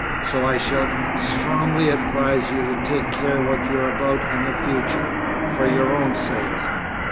So I should strongly advise you to take care what you're about in future, for your own sake!"